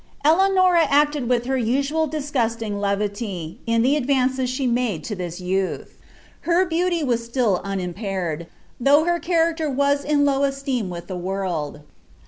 Eleanora acted with her usual disgusting levity, in the advances she made to this youth. Her beauty was still unimpaired, though her cha Ticter was in low esteem with the world.